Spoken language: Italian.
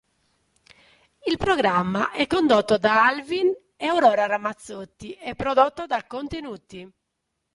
Il programma è condotto da Alvin e Aurora Ramazzotti e prodotto da Contenuti.